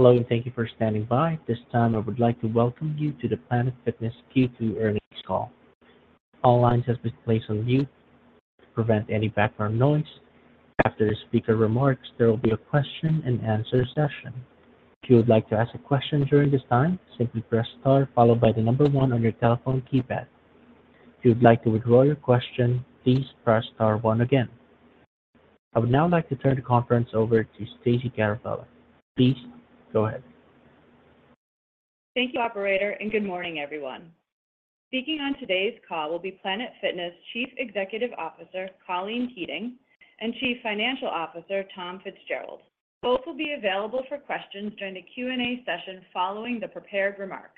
Hello, and thank you for standing by. At this time, I would like to welcome you to the Planet Fitness Q2 Earnings Call. All lines have been placed on mute to prevent any background noise. After the speaker remarks, there will be a question-and-answer session. If you would like to ask a question during this time, simply press star followed by the number one on your telephone keypad. If you would like to withdraw your question, please press star one again. I would now like to turn the conference over to Stacey Garofalo. Please go ahead. Thank you, operator, and good morning, everyone. Speaking on today's call will be Planet Fitness Chief Executive Officer, Colleen Keating, and Chief Financial Officer, Tom Fitzgerald. Both will be available for questions during the Q&A session following the prepared remarks.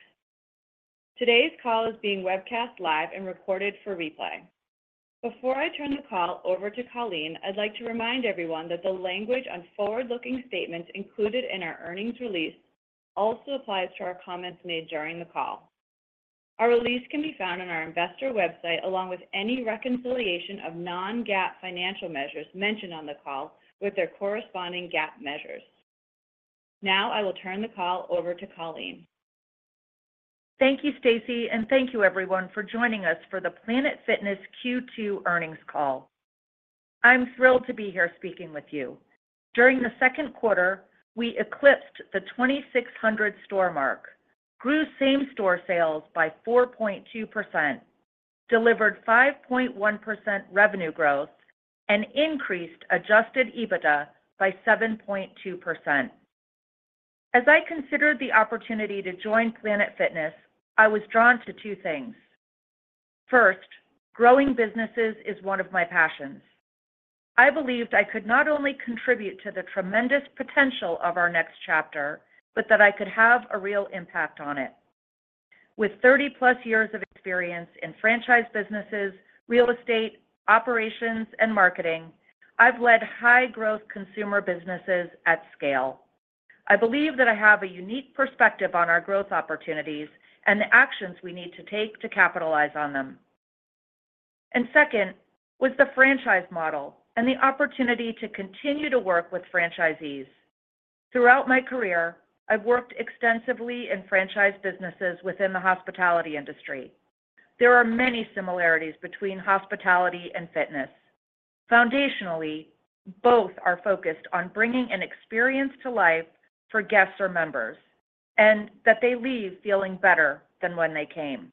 Today's call is being webcast live and recorded for replay. Before I turn the call over to Colleen, I'd like to remind everyone that the language on forward-looking statements included in our earnings release also applies to our comments made during the call. Our release can be found on our investor website, along with any reconciliation of non-GAAP financial measures mentioned on the call with their corresponding GAAP measures. Now, I will turn the call over to Colleen. Thank you, Stacey, and thank you everyone for joining us for the Planet Fitness Q2 Earnings Call. I'm thrilled to be here speaking with you. During the second quarter, we eclipsed the 2,600 store mark, grew same-store sales by 4.2%, delivered 5.1% revenue growth, and increased adjusted EBITDA by 7.2%. As I considered the opportunity to join Planet Fitness, I was drawn to two things. First, growing businesses is one of my passions. I believed I could not only contribute to the tremendous potential of our next chapter, but that I could have a real impact on it. With 30+ years of experience in franchise businesses, real estate, operations, and marketing, I've led high-growth consumer businesses at scale. I believe that I have a unique perspective on our growth opportunities and the actions we need to take to capitalize on them. Second, was the franchise model and the opportunity to continue to work with franchisees. Throughout my career, I've worked extensively in franchise businesses within the hospitality industry. There are many similarities between hospitality and fitness. Foundationally, both are focused on bringing an experience to life for guests or members, and that they leave feeling better than when they came.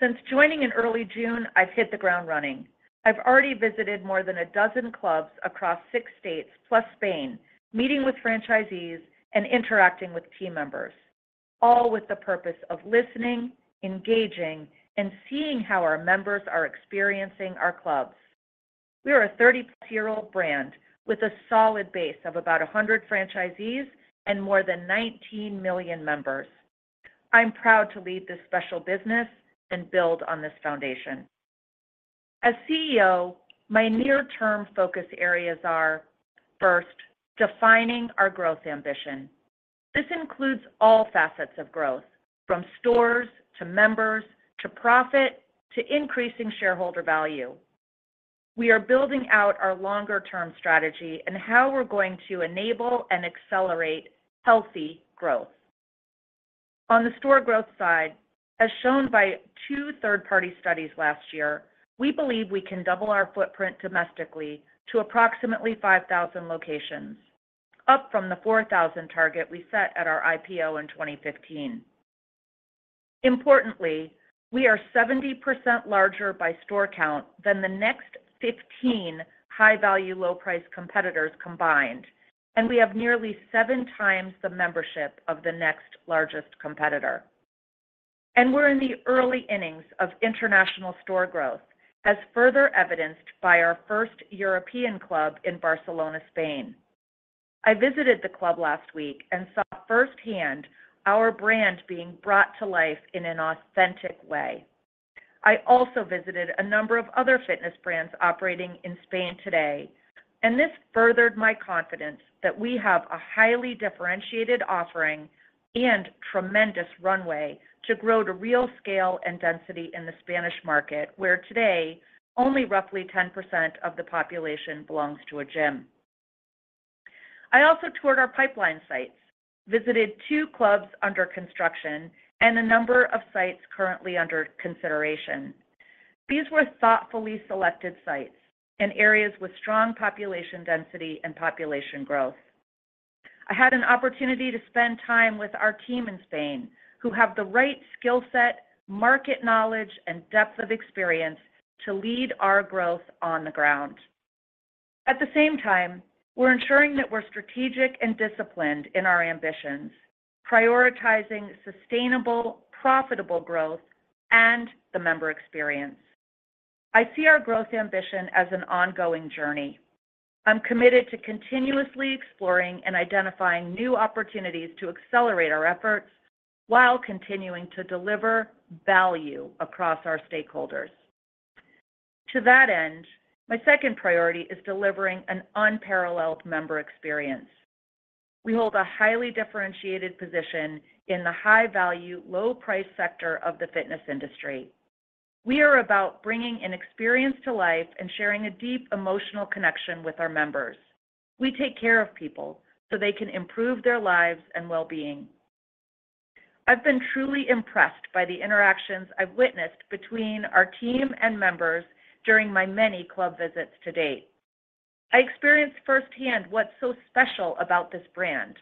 Since joining in early June, I've hit the ground running. I've already visited more than 12 clubs across 6 states, plus Spain, meeting with franchisees and interacting with team members, all with the purpose of listening, engaging, and seeing how our members are experiencing our clubs. We are a 30+-year-old brand with a solid base of about 100 franchisees and more than 19 million members. I'm proud to lead this special business and build on this foundation. As CEO, my near-term focus areas are, first, defining our growth ambition. This includes all facets of growth, from stores to members, to profit, to increasing shareholder value. We are building out our longer-term strategy and how we're going to enable and accelerate healthy growth. On the store growth side, as shown by two third-party studies last year, we believe we can double our footprint domestically to approximately 5,000 locations, up from the 4,000 target we set at our IPO in 2015. Importantly, we are 70% larger by store count than the next 15 High Value Low Price competitors combined, and we have nearly seven times the membership of the next largest competitor. We're in the early innings of international store growth, as further evidenced by our first European club in Barcelona, Spain. I visited the club last week and saw firsthand our brand being brought to life in an authentic way. I also visited a number of other fitness brands operating in Spain today, and this furthered my confidence that we have a highly differentiated offering and tremendous runway to grow to real scale and density in the Spanish market, where today only roughly 10% of the population belongs to a gym. I also toured our pipeline sites, visited two clubs under construction and a number of sites currently under consideration. These were thoughtfully selected sites in areas with strong population density and population growth. I had an opportunity to spend time with our team in Spain, who have the right skill set, market knowledge, and depth of experience to lead our growth on the ground. At the same time, we're ensuring that we're strategic and disciplined in our ambitions, prioritizing sustainable, profitable growth and the member experience. I see our growth ambition as an ongoing journey. I'm committed to continuously exploring and identifying new opportunities to accelerate our efforts while continuing to deliver value across our stakeholders. To that end, my second priority is delivering an unparalleled member experience. We hold a highly differentiated position in the High Value Low Price sector of the fitness industry. We are about bringing an experience to life and sharing a deep emotional connection with our members. We take care of people so they can improve their lives and well-being. I've been truly impressed by the interactions I've witnessed between our team and members during my many club visits to date. I experienced firsthand what's so special about this brand,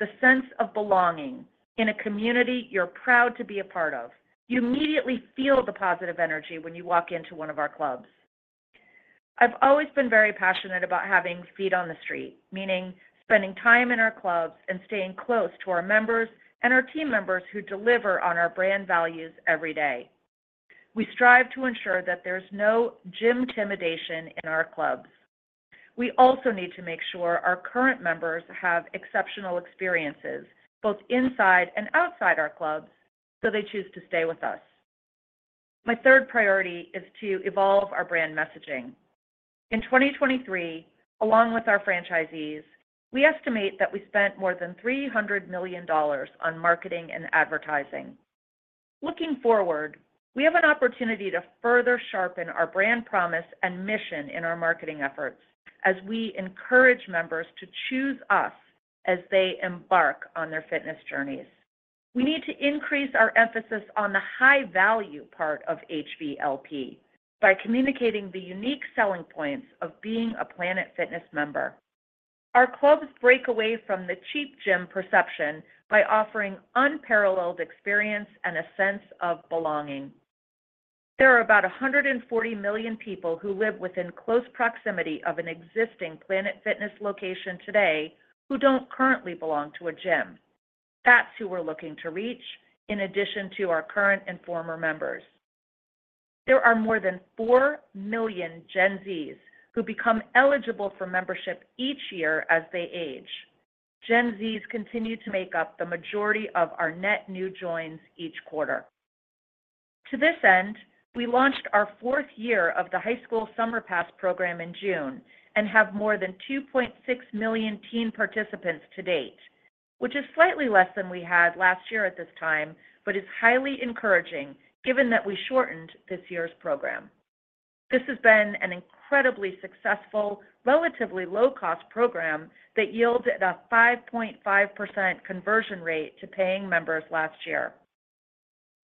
the sense of belonging in a community you're proud to be a part of. You immediately feel the positive energy when you walk into one of our clubs. I've always been very passionate about having feet on the street, meaning spending time in our clubs and staying close to our members and our team members who deliver on our brand values every day. We strive to ensure that there's no gymtimidation in our clubs. We also need to make sure our current members have exceptional experiences, both inside and outside our clubs, so they choose to stay with us. My third priority is to evolve our brand messaging. In 2023, along with our franchisees, we estimate that we spent more than $300 million on marketing and advertising. Looking forward, we have an opportunity to further sharpen our brand promise and mission in our marketing efforts as we encourage members to choose us as they embark on their fitness journeys. We need to increase our emphasis on the high-value part of HVLP by communicating the unique selling points of being a Planet Fitness member. Our clubs break away from the cheap gym perception by offering unparalleled experience and a sense of belonging. There are about 140 million people who live within close proximity of an existing Planet Fitness location today who don't currently belong to a gym. That's who we're looking to reach, in addition to our current and former members. There are more than 4 million Gen Zs who become eligible for membership each year as they age. Gen Zs continue to make up the majority of our net new joins each quarter. To this end, we launched our fourth year of the High School Summer Pass program in June and have more than 2.6 million teen participants to date, which is slightly less than we had last year at this time, but is highly encouraging given that we shortened this year's program. This has been an incredibly successful, relatively low-cost program that yielded a 5.5% conversion rate to paying members last year.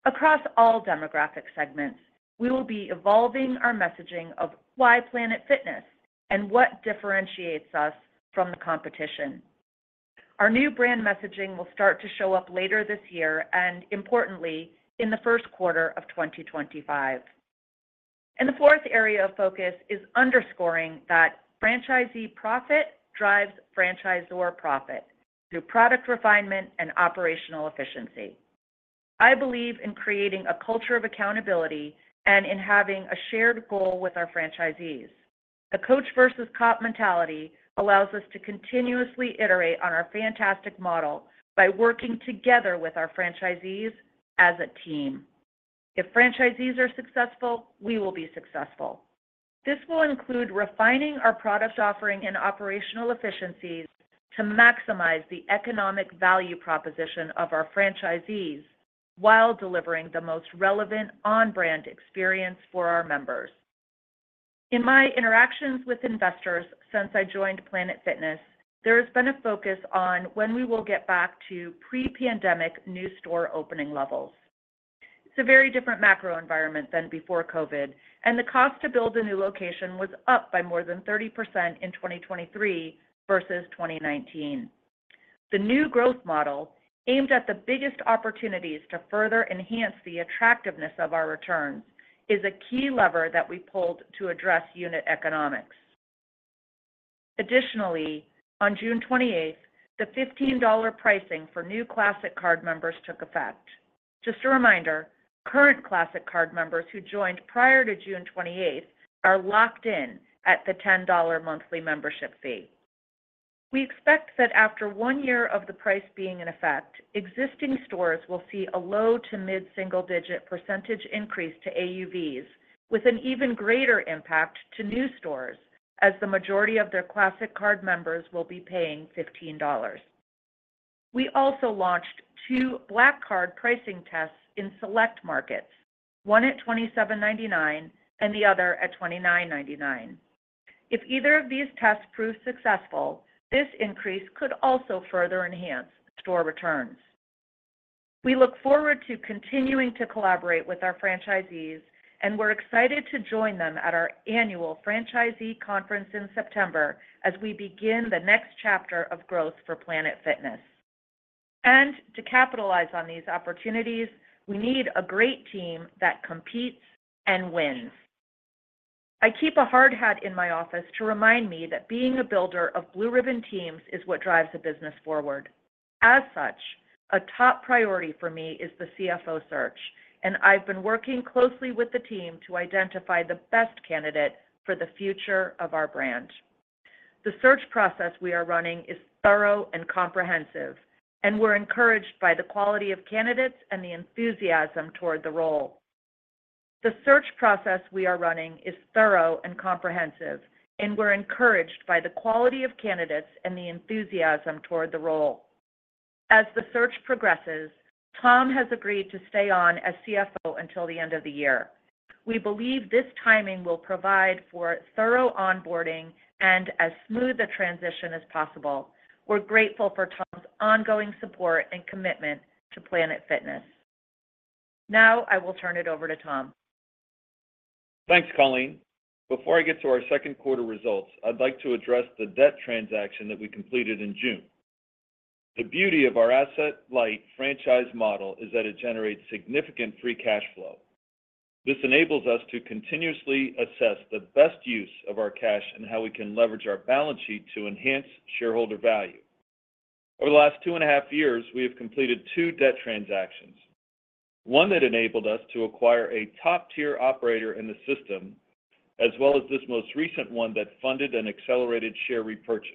Across all demographic segments, we will be evolving our messaging of why Planet Fitness and what differentiates us from the competition. Our new brand messaging will start to show up later this year and importantly, in the first quarter of 2025. And the fourth area of focus is underscoring that franchisee profit drives franchisor profit through product refinement and operational efficiency. I believe in creating a culture of accountability and in having a shared goal with our franchisees. A coach versus cop mentality allows us to continuously iterate on our fantastic model by working together with our franchisees as a team. If franchisees are successful, we will be successful. This will include refining our product offering and operational efficiencies to maximize the economic value proposition of our franchisees while delivering the most relevant on-brand experience for our members. In my interactions with investors since I joined Planet Fitness, there has been a focus on when we will get back to pre-pandemic new store opening levels. It's a very different macro environment than before COVID, and the cost to build a new location was up by more than 30% in 2023 versus 2019. The new growth model, aimed at the biggest opportunities to further enhance the attractiveness of our returns, is a key lever that we pulled to address unit economics. Additionally, on June 28th, the $15 pricing for new Classic Card members took effect. Just a reminder, current Classic Card members who joined prior to June 28th are locked in at the $10 monthly membership fee. We expect that after one year of the price being in effect, existing stores will see a low to mid single-digit percentage increase to AUVs, with an even greater impact to new stores, as the majority of their Classic Card members will be paying $15. We also launched two Black Card pricing tests in select markets, one at $27.99 and the other at $29.99. If either of these tests prove successful, this increase could also further enhance store returns. We look forward to continuing to collaborate with our franchisees, and we're excited to join them at our annual franchisee conference in September as we begin the next chapter of growth for Planet Fitness. To capitalize on these opportunities, we need a great team that competes and wins. I keep a hard hat in my office to remind me that being a builder of Blue Ribbon teams is what drives the business forward. As such, a top priority for me is the CFO search, and I've been working closely with the team to identify the best candidate for the future of our brand. The search process we are running is thorough and comprehensive, and we're encouraged by the quality of candidates and the enthusiasm toward the role. The search process we are running is thorough and comprehensive, and we're encouraged by the quality of candidates and the enthusiasm toward the role. As the search progresses, Tom has agreed to stay on as CFO until the end of the year. We believe this timing will provide for thorough onboarding and as smooth a transition as possible. We're grateful for Tom's ongoing support and commitment to Planet Fitness. Now, I will turn it over to Tom. Thanks, Colleen. Before I get to our second quarter results, I'd like to address the debt transaction that we completed in June. The beauty of our asset-light franchise model is that it generates significant free cash flow. This enables us to continuously assess the best use of our cash and how we can leverage our balance sheet to enhance shareholder value. Over the last two and a half years, we have completed two debt transactions. One that enabled us to acquire a top-tier operator in the system, as well as this most recent one that funded an accelerated share repurchase.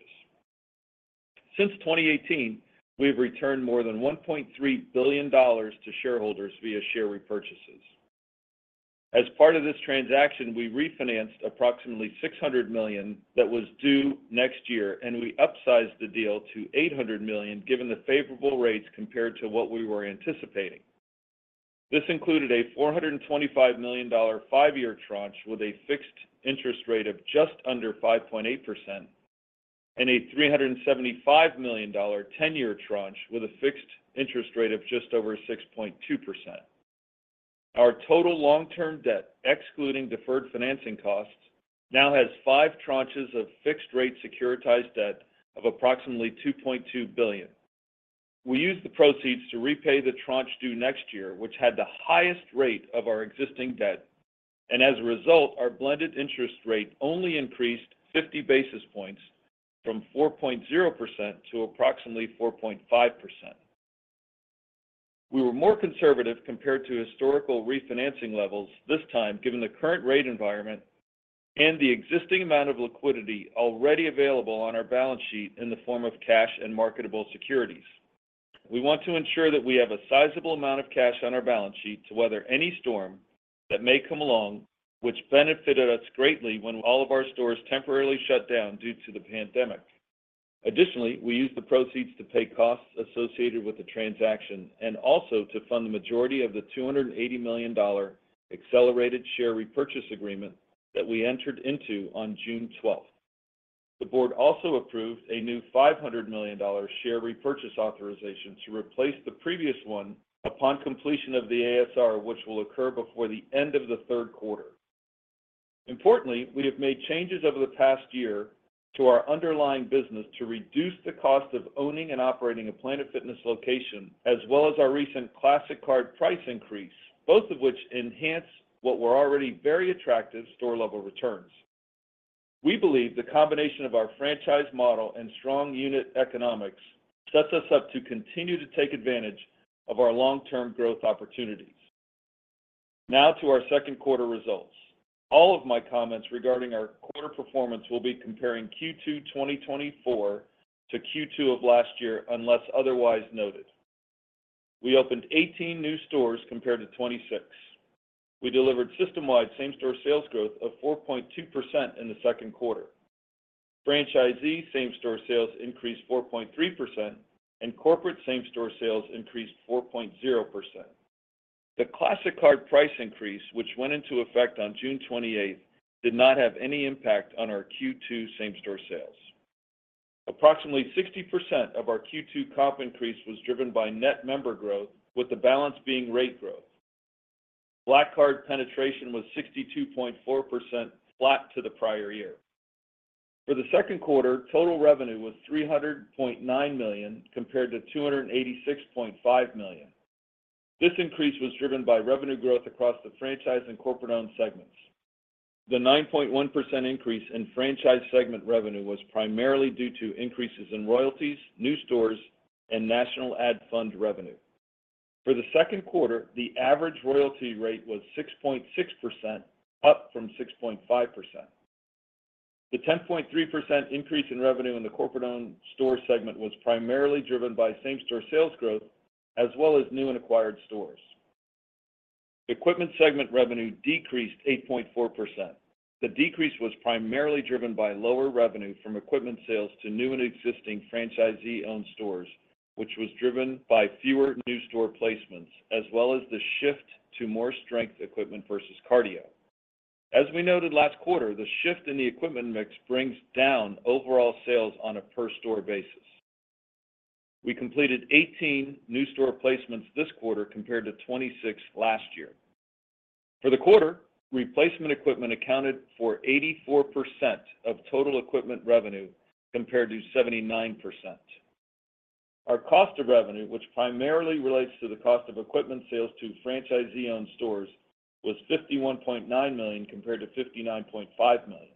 Since 2018, we have returned more than $1.3 billion to shareholders via share repurchases. As part of this transaction, we refinanced approximately $600 million that was due next year, and we upsized the deal to $800 million, given the favorable rates compared to what we were anticipating. This included a $425 million five-year tranche with a fixed interest rate of just under 5.8%, and a $375 million ten-year tranche with a fixed interest rate of just over 6.2%. Our total long-term debt, excluding deferred financing costs, now has 5 tranches of fixed-rate securitized debt of approximately $2.2 billion. We used the proceeds to repay the tranche due next year, which had the highest rate of our existing debt, and as a result, our blended interest rate only increased 50 basis points from 4.0% to approximately 4.5%. We were more conservative compared to historical refinancing levels this time, given the current rate environment and the existing amount of liquidity already available on our balance sheet in the form of cash and marketable securities. We want to ensure that we have a sizable amount of cash on our balance sheet to weather any storm that may come along, which benefited us greatly when all of our stores temporarily shut down due to the pandemic. Additionally, we used the proceeds to pay costs associated with the transaction and also to fund the majority of the $280 million accelerated share repurchase agreement that we entered into on June twelfth. The board also approved a new $500 million share repurchase authorization to replace the previous one upon completion of the ASR, which will occur before the end of the third quarter. Importantly, we have made changes over the past year to our underlying business to reduce the cost of owning and operating a Planet Fitness location, as well as our recent Classic Card price increase, both of which enhance what were already very attractive store-level returns. We believe the combination of our franchise model and strong unit economics sets us up to continue to take advantage of our long-term growth opportunities. Now, to our second quarter results. All of my comments regarding our quarter performance will be comparing Q2 2024 to Q2 of last year, unless otherwise noted. We opened 18 new stores compared to 26. We delivered system-wide same-store sales growth of 4.2% in the second quarter. Franchisee same-store sales increased 4.3%, and corporate same-store sales increased 4.0%. The Classic Card price increase, which went into effect on June 28th, did not have any impact on our Q2 same-store sales. Approximately 60% of our Q2 comp increase was driven by net member growth, with the balance being rate growth. Black Card penetration was 62.4% flat to the prior year. For the second quarter, total revenue was $300.9 million, compared to $286.5 million. This increase was driven by revenue growth across the franchise and corporate-owned segments. The 9.1% increase in franchise segment revenue was primarily due to increases in royalties, new stores, and national ad fund revenue. For the second quarter, the average royalty rate was 6.6%, up from 6.5%. The 10.3% increase in revenue in the corporate-owned store segment was primarily driven by same-store sales growth, as well as new and acquired stores. Equipment segment revenue decreased 8.4%. The decrease was primarily driven by lower revenue from equipment sales to new and existing franchisee-owned stores, which was driven by fewer new store placements, as well as the shift to more strength equipment versus cardio. As we noted last quarter, the shift in the equipment mix brings down overall sales on a per-store basis. We completed 18 new store placements this quarter, compared to 26 last year. For the quarter, replacement equipment accounted for 84% of total equipment revenue, compared to 79%. Our cost of revenue, which primarily relates to the cost of equipment sales to franchisee-owned stores, was $51.9 million, compared to $59.5 million.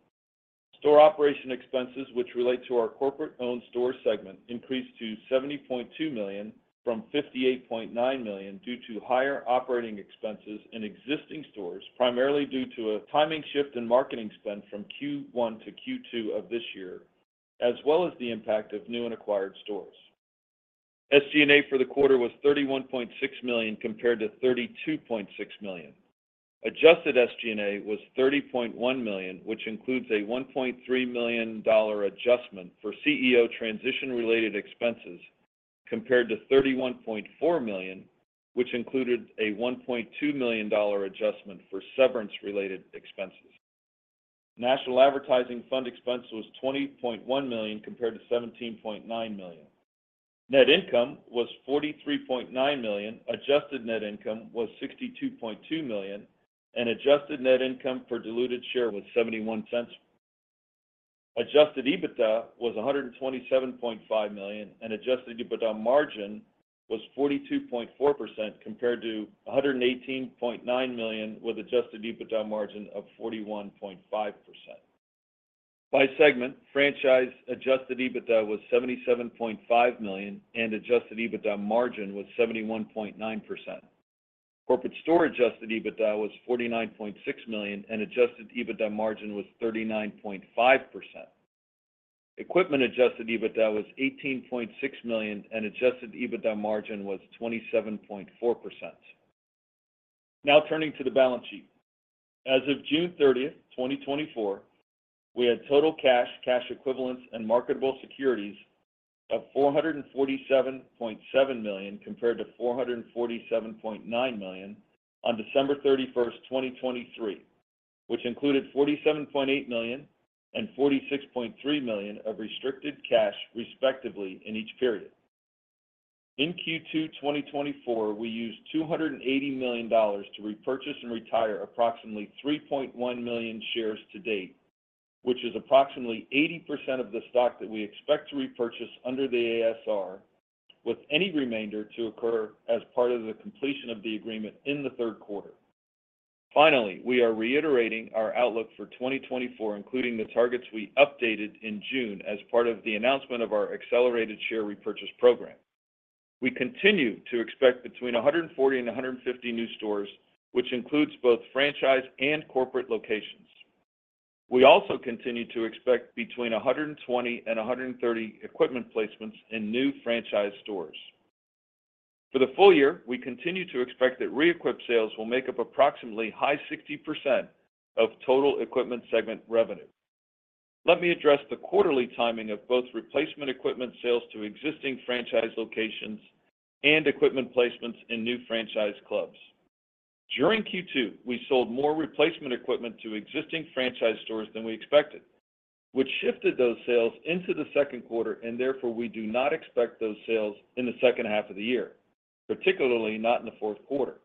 Store operation expenses, which relate to our corporate-owned store segment, increased to $70.2 million from $58.9 million due to higher operating expenses in existing stores, primarily due to a timing shift in marketing spend from Q1 to Q2 of this year, as well as the impact of new and acquired stores. SG&A for the quarter was $31.6 million, compared to $32.6 million. Adjusted SG&A was $30.1 million, which includes a $1.3 million adjustment for CEO transition-related expenses, compared to $31.4 million, which included a $1.2 million adjustment for severance-related expenses. National advertising fund expense was $20.1 million compared to $17.9 million. Net income was $43.9 million, adjusted net income was $62.2 million, and adjusted net income per diluted share was $0.71. Adjusted EBITDA was $127.5 million, and Adjusted EBITDA margin was 42.4%, compared to $118.9 million, with Adjusted EBITDA margin of 41.5%. By segment, franchise Adjusted EBITDA was $77.5 million, and Adjusted EBITDA margin was 71.9%. Corporate store Adjusted EBITDA was $49.6 million, and Adjusted EBITDA margin was 39.5%. Equipment Adjusted EBITDA was $18.6 million, and Adjusted EBITDA margin was 27.4%. Now, turning to the balance sheet. As of June 30, 2024, we had total cash, cash equivalents, and marketable securities of $447.7 million, compared to $447.9 million on December 31st, 2023, which included $47.8 million and $46.3 million of restricted cash, respectively, in each period. In Q2 2024, we used $280 million to repurchase and retire approximately 3.1 million shares-to-date, which is approximately 80% of the stock that we expect to repurchase under the ASR, with any remainder to occur as part of the completion of the agreement in the third quarter. Finally, we are reiterating our outlook for 2024, including the targets we updated in June as part of the announcement of our accelerated share repurchase program. We continue to expect between 140 and 150 new stores, which includes both franchise and corporate locations. We also continue to expect between 120 and 130 equipment placements in new franchise stores. For the full year, we continue to expect that re-equip sales will make up approximately high 60% of total equipment segment revenue. Let me address the quarterly timing of both replacement equipment sales to existing franchise locations and equipment placements in new franchise clubs. During Q2, we sold more replacement equipment to existing franchise stores than we expected, which shifted those sales into the second quarter, and therefore, we do not expect those sales in the second half of the year, particularly not in the fourth quarter.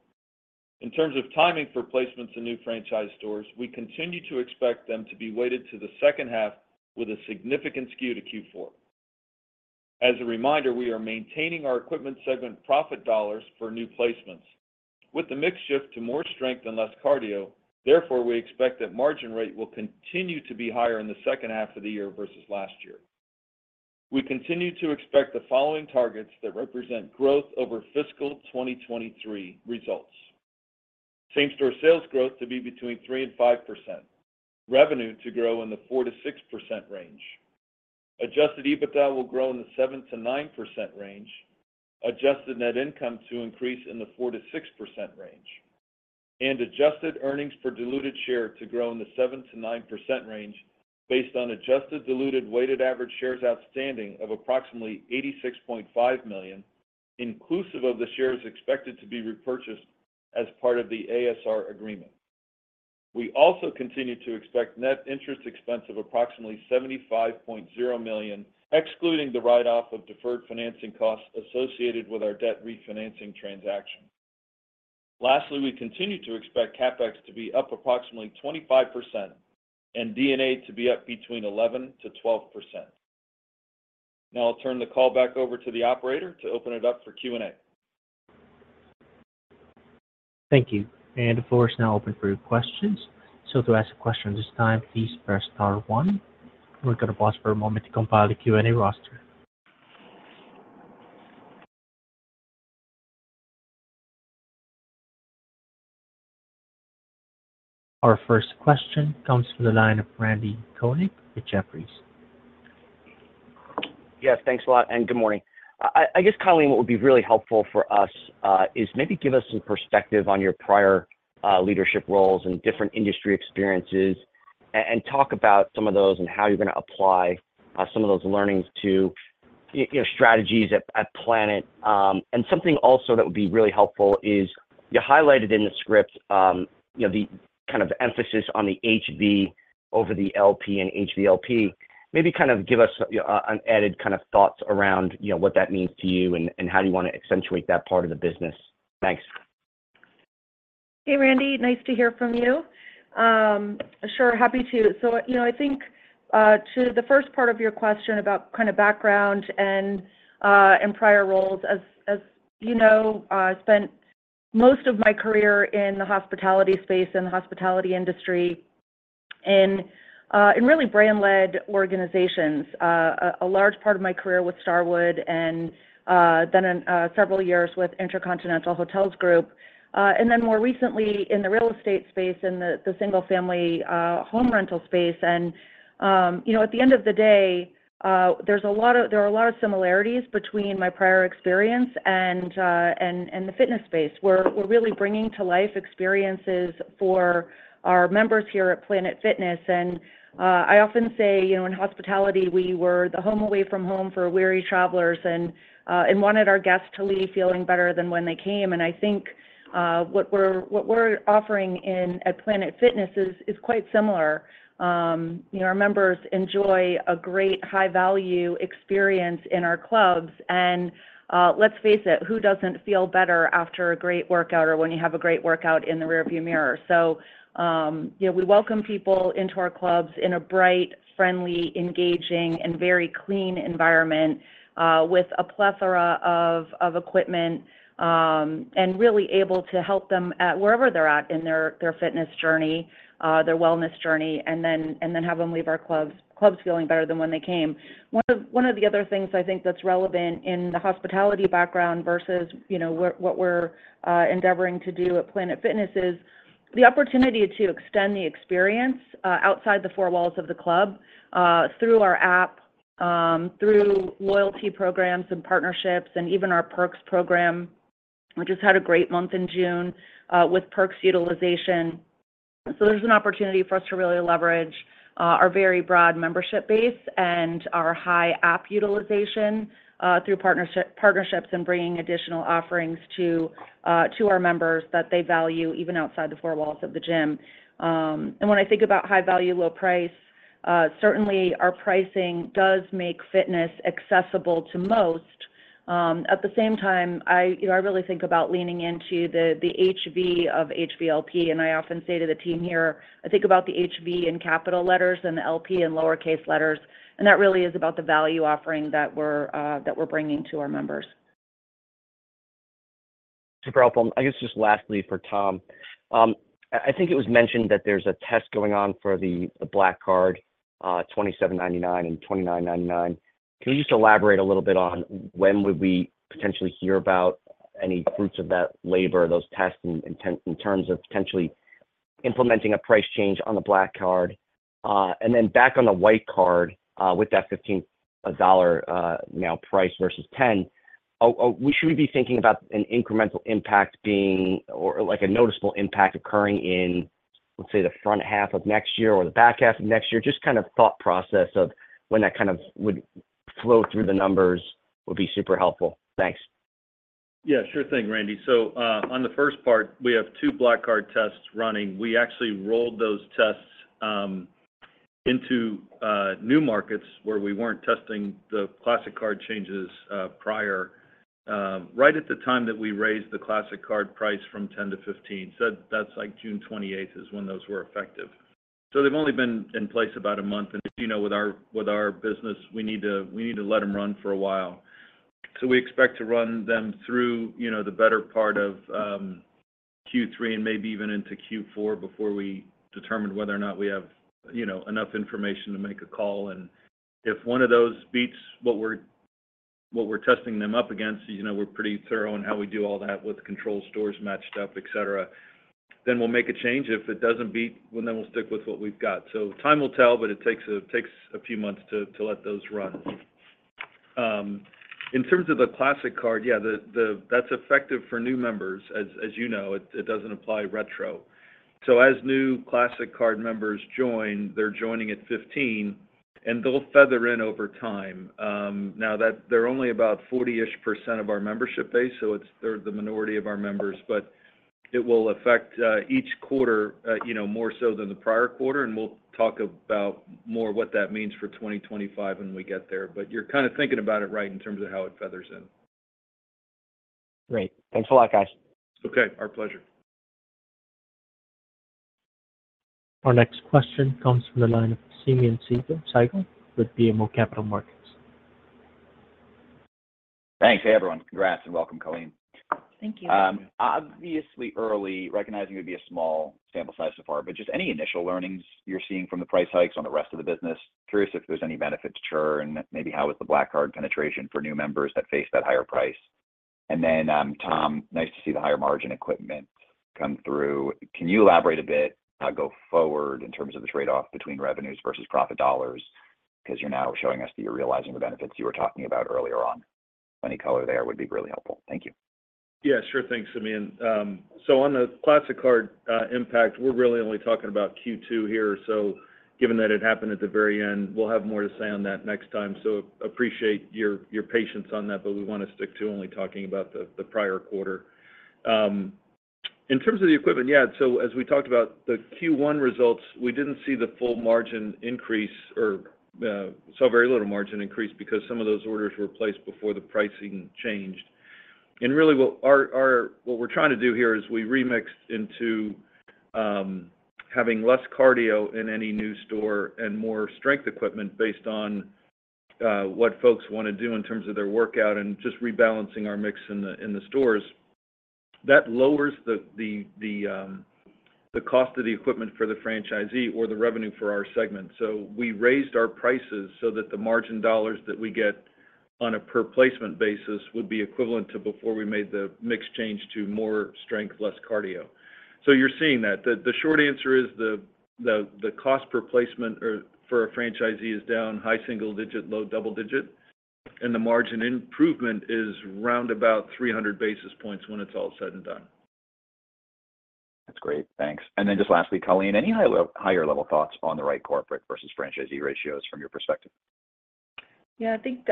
In terms of timing for placements in new franchise stores, we continue to expect them to be weighted to the second half with a significant skew to Q4. As a reminder, we are maintaining our equipment segment profit dollars for new placements. With the mix shift to more strength and less cardio, therefore, we expect that margin rate will continue to be higher in the second half of the year versus last year. We continue to expect the following targets that represent growth over fiscal 2023 results. Same-store sales growth to be between 3%-5%. Revenue to grow in the 4%-6% range. Adjusted EBITDA will grow in the 7%-9% range, adjusted net income to increase in the 4%-6% range, and adjusted earnings per diluted share to grow in the 7%-9% range based on adjusted diluted weighted average shares outstanding of approximately 86.5 million, inclusive of the shares expected to be repurchased as part of the ASR agreement. We also continue to expect net interest expense of approximately $75.0 million, excluding the write-off of deferred financing costs associated with our debt refinancing transaction. Lastly, we continue to expect CapEx to be up approximately 25% and D&A to be up between 11%-12%. Now, I'll turn the call back over to the operator to open it up for Q&A. Thank you, and the floor is now open for your questions. So to ask a question at this time, please press star one. We're going to pause for a moment to compile the Q&A roster. Our first question comes from the line of Randal Konik with Jefferies. Yes, thanks a lot, and good morning. I guess, Colleen, what would be really helpful for us is maybe give us some perspective on your prior leadership roles and different industry experiences, and talk about some of those and how you're going to apply some of those learnings to, you know, strategies at, at Planet. And something also that would be really helpful is you highlighted in the script, you know, the kind of emphasis on the HV over the LP and HVLP. Maybe kind of give us an added kind of thoughts around, you know, what that means to you and, and how do you want to accentuate that part of the business. Thanks. Hey, Randy, nice to hear from you. Sure, happy to. So, you know, I think to the first part of your question about kind of background and prior roles, as you know, I spent most of my career in the hospitality space and the hospitality industry. And, in really brand-led organizations, a large part of my career with Starwood and, then in, several years with InterContinental Hotels Group, and then more recently in the real estate space and the, the single-family, home rental space. And, you know, at the end of the day, there are a lot of similarities between my prior experience and, and the fitness space. We're really bringing to life experiences for our members here at Planet Fitness. And, I often say, you know, in hospitality, we were the home away from home for weary travelers and, and wanted our guests to leave feeling better than when they came. And I think, what we're offering at Planet Fitness is quite similar. You know, our members enjoy a great high-value experience in our clubs. And, let's face it, who doesn't feel better after a great workout or when you have a great workout in the rearview mirror? So, you know, we welcome people into our clubs in a bright, friendly, engaging, and very clean environment, with a plethora of equipment, and really able to help them at wherever they're at in their fitness journey, their wellness journey, and then have them leave our clubs feeling better than when they came. One of the other things I think that's relevant in the hospitality background versus, you know, what we're endeavoring to do at Planet Fitness is the opportunity to extend the experience outside the four walls of the club through our app through loyalty programs and partnerships, and even our perks program. We just had a great month in June with perks utilization. So there's an opportunity for us to really leverage our very broad membership base and our high app utilization through partnerships and bringing additional offerings to our members that they value even outside the four walls of the gym. And when I think about high value, low price, certainly our pricing does make fitness accessible to most. At the same time, I, you know, I really think about leaning into the HV of HVLP, and I often say to the team here, I think about the HV in capital letters and the LP in lowercase letters, and that really is about the value offering that we're bringing to our members. Super helpful. I guess just lastly, for Tom, I think it was mentioned that there's a test going on for the Black Card, $27.99 and $29.99. Can you just elaborate a little bit on when would we potentially hear about any fruits of that labor, those tests in terms of potentially implementing a price change on the Black Card? And then back on the Classic Card, with that $15 dollar now price versus $10, we should be thinking about an incremental impact being or like a noticeable impact occurring in, let's say, the front half of next year or the back half of next year. Just kind of thought process of when that kind of would flow through the numbers would be super helpful. Thanks. Yeah, sure thing, Randy. So, on the first part, we have two Black Card tests running. We actually rolled those tests into new markets where we weren't testing the Classic Card changes prior, right at the time that we raised the Classic Card price from $10 to $15. So that's like June 28th is when those were effective. So they've only been in place about a month, and as you know, with our business, we need to let them run for a while. So we expect to run them through, you know, the better part of Q3 and maybe even into Q4 before we determine whether or not we have, you know, enough information to make a call. If one of those beats what we're testing them up against, you know, we're pretty thorough in how we do all that with control stores matched up, et cetera, then we'll make a change. If it doesn't beat, well, then we'll stick with what we've got. Time will tell, but it takes a few months to let those run. In terms of the Classic Card, yeah, that's effective for new members, as you know, it doesn't apply retro. So as new Classic Card members join, they're joining at $15, and they'll feather in over time. Now that they're only about 40-ish% of our membership base, so it's, they're the minority of our members, but it will affect each quarter, you know, more so than the prior quarter. And we'll talk about more what that means for 2025 when we get there. But you're kind of thinking about it right in terms of how it feathers in. Great. Thanks a lot, guys. Okay, our pleasure. Our next question comes from the line of Simeon Siegel with BMO Capital Markets. Thanks. Hey, everyone. Congrats and welcome, Colleen. Thank you. Obviously early, recognizing it would be a small sample size so far, but just any initial learnings you're seeing from the price hikes on the rest of the business? Curious if there's any benefit to churn, maybe how is the Black Card penetration for new members that face that higher price. And then, Tom, nice to see the higher margin equipment come through. Can you elaborate a bit, go forward in terms of the trade-off between revenues versus profit dollars? Because you're now showing us that you're realizing the benefits you were talking about earlier on. Any color there would be really helpful. Thank you. Yeah, sure. Thanks, Simeon. So on the Classic Card impact, we're really only talking about Q2 here. So given that it happened at the very end, we'll have more to say on that next time. So appreciate your patience on that, but we want to stick to only talking about the prior quarter. In terms of the equipment, yeah, so as we talked about the Q1 results, we didn't see the full margin increase or saw very little margin increase because some of those orders were placed before the pricing changed. And really, what we're trying to do here is we remixed into having less cardio in any new store and more strength equipment based on what folks want to do in terms of their workout and just rebalancing our mix in the stores. That lowers the cost of the equipment for the franchisee or the revenue for our segment. So we raised our prices so that the margin dollars that we get on a per placement basis would be equivalent to before we made the mix change to more strength, less cardio. So you're seeing that. The short answer is the cost per placement or for a franchisee is down high single digit, low double digit, and the margin improvement is round about 300 basis points when it's all said and done. That's great. Thanks. And then just lastly, Colleen, any higher level thoughts on the right corporate versus franchisee ratios from your perspective? Yeah, I think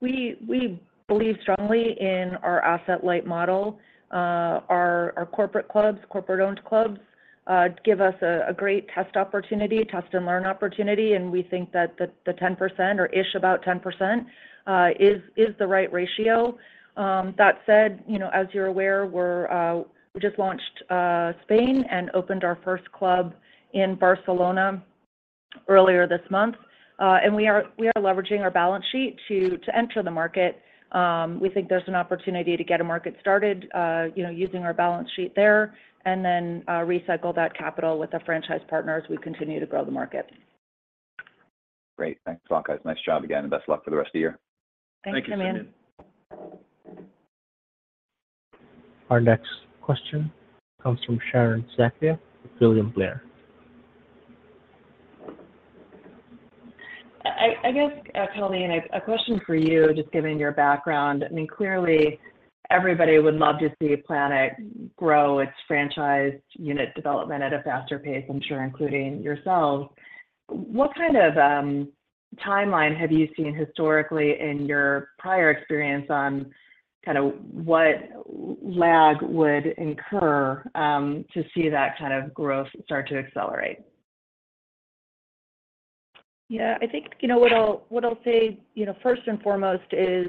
we believe strongly in our asset light model. Our corporate clubs, corporate-owned clubs, give us a great test opportunity, test and learn opportunity, and we think that the 10% or-ish, about 10%, is the right ratio. That said, you know, as you're aware, we just launched Spain and opened our first club in Barcelona earlier this month. And we are leveraging our balance sheet to enter the market. We think there's an opportunity to get a market started, you know, using our balance sheet there, and then recycle that capital with our franchise partners as we continue to grow the market. Great. Thanks a lot, guys. Nice job again, and best of luck for the rest of the year. Thanks, Simeon. Thank you, Simeon. Our next question comes from Sharon Zackfia, William Blair. I guess, Colleen, a question for you, just given your background. I mean, clearly, everybody would love to see Planet grow its franchise unit development at a faster pace, I'm sure, including yourselves. What kind of timeline have you seen historically in your prior experience on kind of what lag would incur to see that kind of growth start to accelerate? Yeah, I think, you know, what I'll, what I'll say, you know, first and foremost is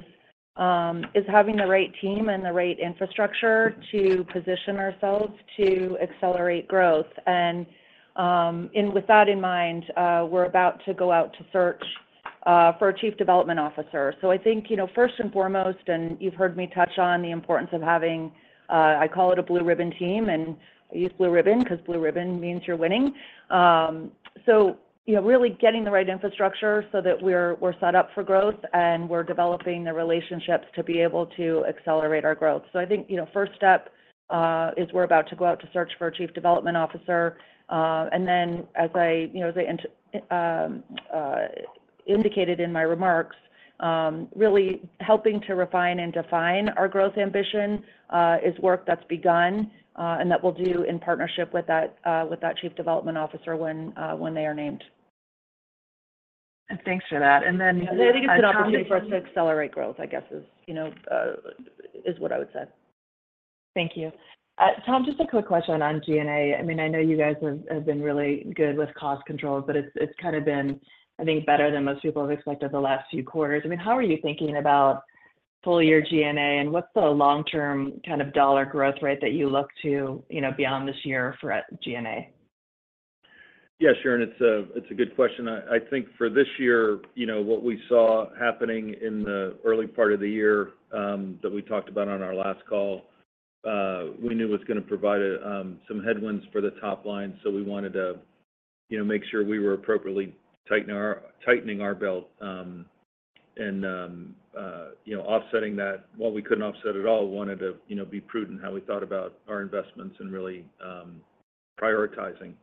having the right team and the right infrastructure to position ourselves to accelerate growth. With that in mind, we're about to go out to search for a Chief Development Officer. So I think, you know, first and foremost, and you've heard me touch on the importance of having, I call it a Blue Ribbon team, and I use Blue Ribbon 'cause Blue Ribbon means you're winning. So, you know, really getting the right infrastructure so that we're set up for growth, and we're developing the relationships to be able to accelerate our growth. So I think, you know, first step is we're about to go out to search for a Chief Development Officer, and then as I, you know, as I indicated in my remarks, really helping to refine and define our growth ambition is work that's begun, and that we'll do in partnership with that Chief Development Officer when they are named. Thanks for that. And then- I think it's an opportunity for us to accelerate growth, I guess, is, you know, is what I would say. Thank you. Tom, just a quick question on G&A. I mean, I know you guys have, have been really good with cost controls, but it's, it's kind of been, I think, better than most people have expected the last few quarters. I mean, how are you thinking about full year G&A, and what's the long-term kind of dollar growth rate that you look to, you know, beyond this year for G&A? Yeah, sure, and it's a good question. I think for this year, you know, what we saw happening in the early part of the year, that we talked about on our last call, we knew was gonna provide some headwinds for the top line, so we wanted to, you know, make sure we were appropriately tightening our belt, and, you know, offsetting that. While we couldn't offset it all, we wanted to, you know, be prudent how we thought about our investments and really prioritizing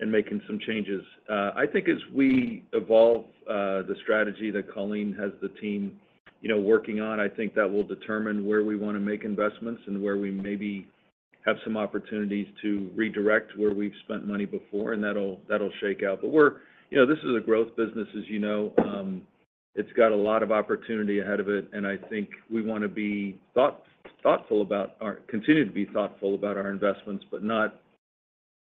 and making some changes. I think as we evolve, the strategy that Colleen has the team, you know, working on, I think that will determine where we wanna make investments and where we maybe have some opportunities to redirect where we've spent money before, and that'll, that'll shake out. But we're, you know, this is a growth business, as you know. It's got a lot of opportunity ahead of it, and I think we wanna continue to be thoughtful about our investments, but not.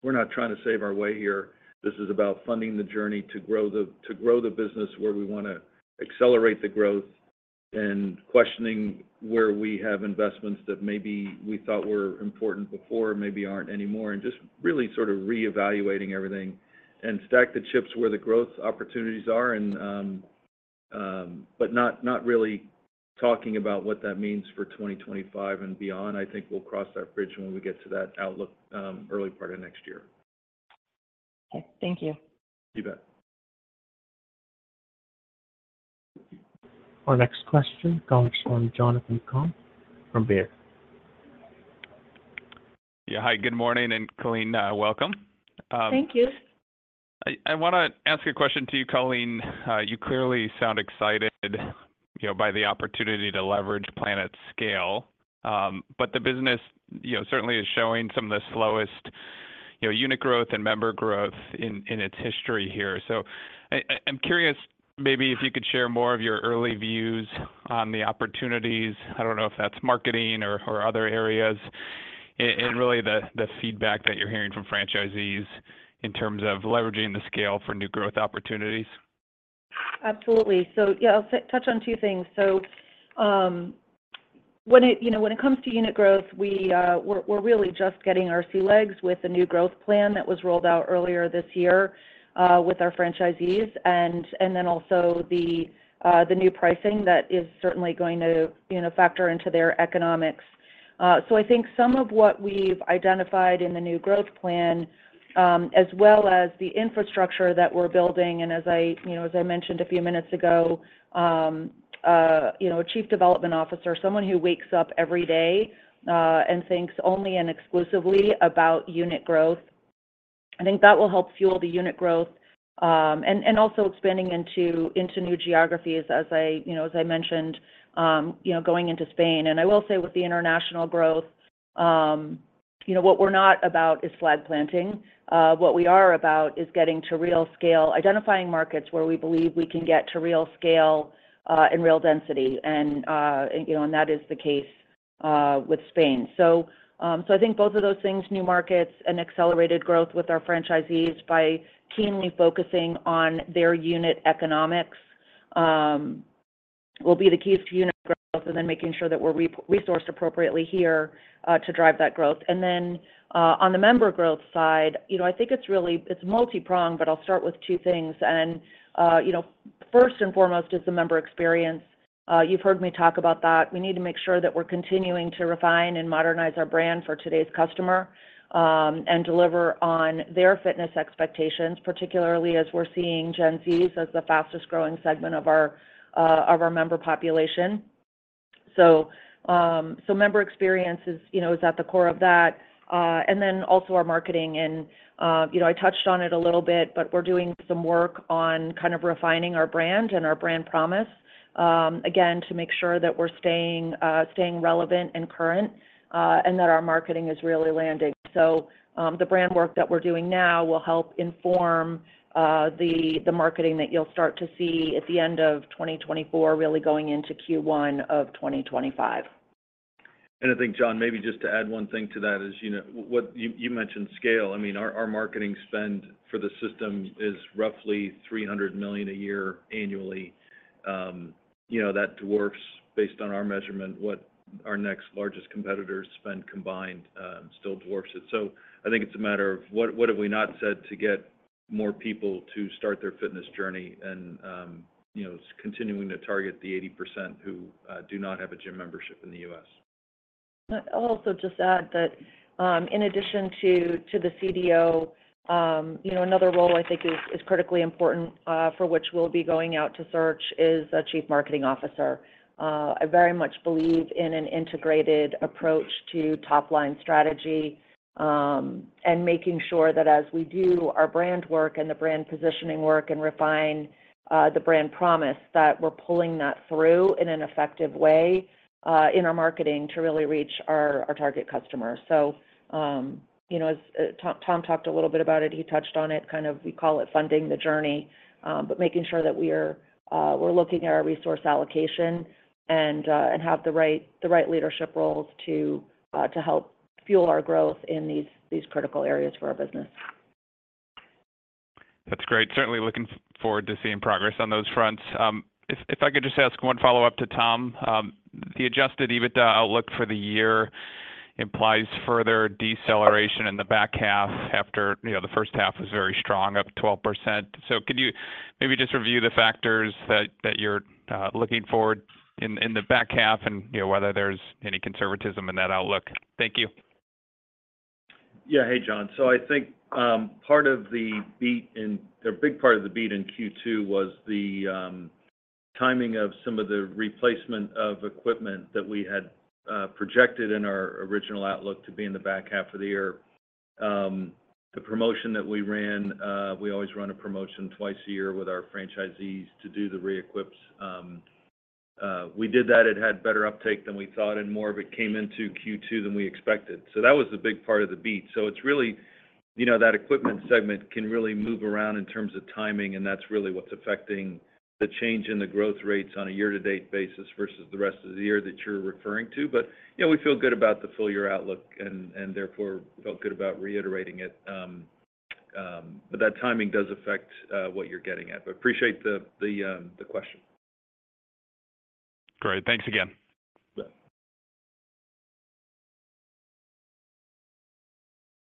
We're not trying to save our way here. This is about funding the journey to grow the business where we wanna accelerate the growth and questioning where we have investments that maybe we thought were important before, maybe aren't anymore, and just really sort of reevaluating everything and stack the chips where the growth opportunities are, but not really talking about what that means for 2025 and beyond. I think we'll cross that bridge when we get to that outlook, early part of next year. Okay. Thank you. You bet. Our next question comes from Jonathan Komp from Baird. Yeah. Hi, good morning, and Colleen, welcome. Thank you. I wanna ask a question to you, Colleen. You clearly sound excited, you know, by the opportunity to leverage Planet's scale, but the business, you know, certainly is showing some of the slowest, you know, unit growth and member growth in its history here. So I'm curious, maybe if you could share more of your early views on the opportunities, I don't know if that's marketing or other areas, and really the feedback that you're hearing from franchisees in terms of leveraging the scale for new growth opportunities? Absolutely. So yeah, I'll touch on two things. So, when it, you know, when it comes to unit growth, we, we're really just getting our sea legs with the new growth plan that was rolled out earlier this year, with our franchisees, and then also the new pricing that is certainly going to, you know, factor into their economics. So I think some of what we've identified in the new growth plan, as well as the infrastructure that we're building, and as I, you know, as I mentioned a few minutes ago, you know, a Chief Development Officer, someone who wakes up every day, and thinks only and exclusively about unit growth, I think that will help fuel the unit growth. And also expanding into new geographies, as I mentioned, you know, going into Spain. And I will say, with the international growth, you know, what we're not about is flag planting. What we are about is getting to real scale, identifying markets where we believe we can get to real scale, and real density, and, you know, and that is the case with Spain. So, I think both of those things, new markets and accelerated growth with our franchisees by keenly focusing on their unit economics, will be the keys to unit growth, and then making sure that we're re-resourced appropriately here to drive that growth. And then, on the member growth side, you know, I think it's really, it's multipronged, but I'll start with two things. And, you know, first and foremost is the member experience. You've heard me talk about that. We need to make sure that we're continuing to refine and modernize our brand for today's customer, and deliver on their fitness expectations, particularly as we're seeing Gen Z as the fastest-growing segment of our of our member population. So, so member experience is, you know, is at the core of that, and then also our marketing. And, you know, I touched on it a little bit, but we're doing some work on kind of refining our brand and our brand promise, again, to make sure that we're staying, staying relevant and current, and that our marketing is really landing. The brand work that we're doing now will help inform the marketing that you'll start to see at the end of 2024, really going into Q1 of 2025. I think, John, maybe just to add one thing to that is, you know, what you mentioned scale. I mean, our marketing spend for the system is roughly $300 million a year annually. You know, that dwarfs, based on our measurement, what our next largest competitor spend combined, still dwarfs it. So I think it's a matter of what have we not said to get more people to start their fitness journey and, you know, continuing to target the 80% who do not have a gym membership in the U.S. I'll also just add that, in addition to the CDO, you know, another role I think is critically important, for which we'll be going out to search is a Chief Marketing Officer. I very much believe in an integrated approach to top-line strategy, and making sure that as we do our brand work and the brand positioning work and refine the brand promise, that we're pulling that through in an effective way, in our marketing to really reach our target customer. So, you know, as Tom talked a little bit about it, he touched on it. Kind of we call it funding the journey, but making sure that we're looking at our resource allocation and have the right leadership roles to help fuel our growth in these critical areas for our business. That's great. Certainly looking forward to seeing progress on those fronts. If I could just ask one follow-up to Tom. The Adjusted EBITDA outlook for the year implies further deceleration in the back half after, you know, the first half was very strong, up 12%. So could you maybe just review the factors that you're looking for in the back half and, you know, whether there's any conservatism in that outlook? Thank you. Yeah. Hey, John. So I think part of the beat, a big part of the beat in Q2 was the timing of some of the replacement of equipment that we had projected in our original outlook to be in the back half of the year. The promotion that we ran, we always run a promotion twice a year with our franchisees to do the re-equips. We did that, it had better uptake than we thought, and more of it came into Q2 than we expected. So that was a big part of the beat. So it's really, you know, that equipment segment can really move around in terms of timing, and that's really what's affecting the change in the growth rates on a year-to-date basis versus the rest of the year that you're referring to. But, you know, we feel good about the full year outlook and therefore felt good about reiterating it. But that timing does affect what you're getting at. But appreciate the question. Great. Thanks again. Yeah.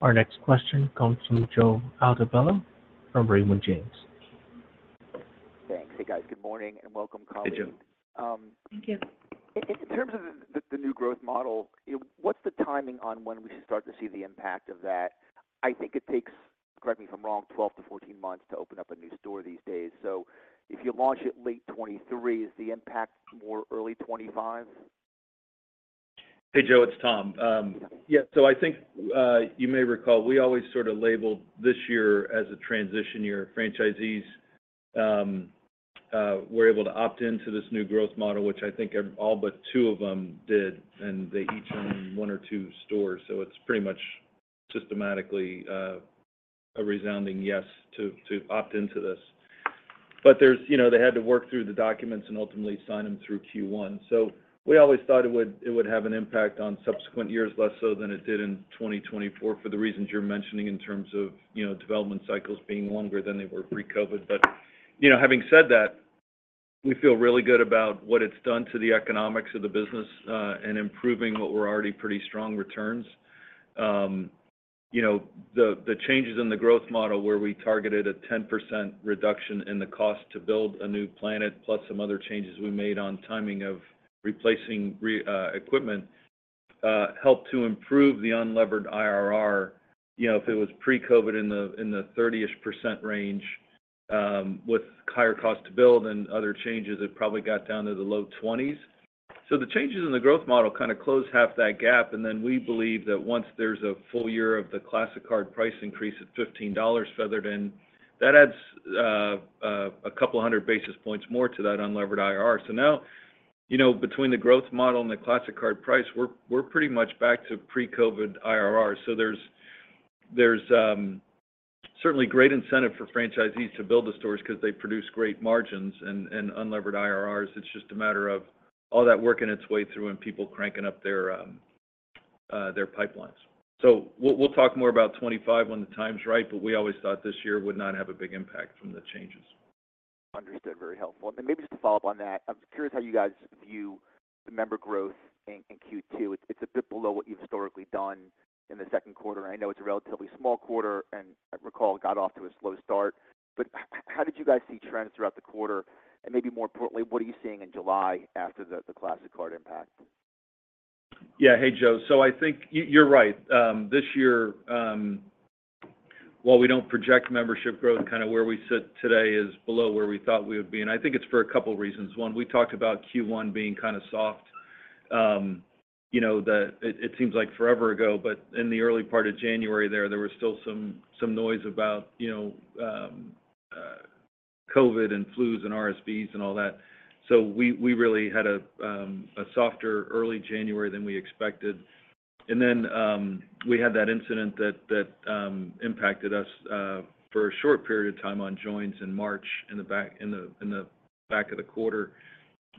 Our next question comes from Joe Altobello from Raymond James. Thanks. Hey, guys. Good morning and welcome back. Hey, Joe. Thank you. In terms of the new growth model, what's the timing on when we should start to see the impact of that? I think it takes, correct me if I'm wrong, 12-14 months to open up a new store these days. So if you launch it late 2023, is the impact more early 2025? Hey, Joe, it's Tom. Yeah, so I think you may recall, we always sort of labeled this year as a transition year. Franchisees were able to opt into this new growth model, which I think all but two of them did, and they each own one or two stores, so it's pretty much systematically a resounding yes to opt into this. But there's—you know, they had to work through the documents and ultimately sign them through Q1. So we always thought it would have an impact on subsequent years, less so than it did in 2024, for the reasons you're mentioning in terms of, you know, development cycles being longer than they were pre-COVID. But, you know, having said that. We feel really good about what it's done to the economics of the business, in improving what were already pretty strong returns. You know, the changes in the growth model, where we targeted a 10% reduction in the cost to build a new planet, plus some other changes we made on timing of replacing equipment, helped to improve the unlevered IRR. You know, if it was pre-COVID in the 30-ish% range, with higher cost to build and other changes, it probably got down to the low 20s. So the changes in the growth model kind of closed half that gap, and then we believe that once there's a full year of the Classic Card price increase at $15 phased in, that adds a couple of hundred basis points more to that unlevered IRR. So now, you know, between the growth model and the Classic Card price, we're pretty much back to pre-COVID IRR. So there's certainly great incentive for franchisees to build the stores because they produce great margins and unlevered IRRs. It's just a matter of all that working its way through and people cranking up their pipelines. So we'll talk more about $25 when the time's right, but we always thought this year would not have a big impact from the changes. Understood. Very helpful. And maybe just to follow up on that, I'm curious how you guys view the member growth in Q2. It's a bit below what you've historically done in the second quarter. I know it's a relatively small quarter, and I recall it got off to a slow start, but how did you guys see trends throughout the quarter? And maybe more importantly, what are you seeing in July after the Classic Card impact? Yeah. Hey, Joe. So I think you, you're right. This year, while we don't project membership growth, kind of where we sit today is below where we thought we would be, and I think it's for a couple of reasons. One, we talked about Q1 being kind of soft. You know, it seems like forever ago, but in the early part of January there was still some noise about, you know, COVID and flus and RSVs and all that. So we really had a softer early January than we expected. And then, we had that incident that impacted us for a short period of time on joins in March, in the back of the quarter,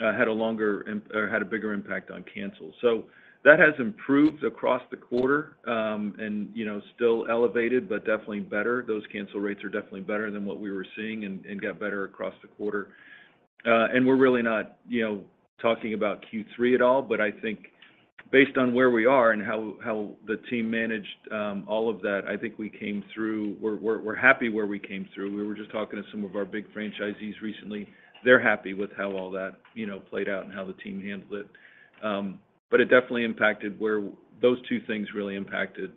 had a longer or had a bigger impact on cancels. So that has improved across the quarter, and, you know, still elevated, but definitely better. Those cancel rates are definitely better than what we were seeing and got better across the quarter. And we're really not, you know, talking about Q3 at all, but I think based on where we are and how the team managed all of that, I think we came through. We're happy where we came through. We were just talking to some of our big franchisees recently. They're happy with how all that, you know, played out and how the team handled it. But it definitely impacted where those two things really impacted